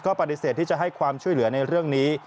ปฏิเสธที่จะให้ความช่วยเหลือในเรื่องนี้